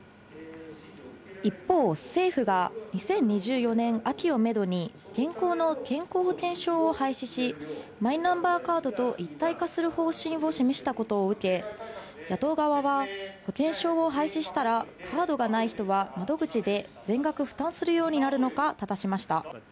一方、政府は２０２４年秋をメドに、現行の健康保険証を廃止し、マイナンバーカードと一体化する方針を示したことを受け、野党側は、保険証を廃止したら、カードがない人は窓口で全額負担するようになるのか、ただしました。